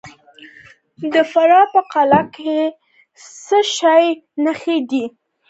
د فراه په قلعه کاه کې د څه شي نښې دي؟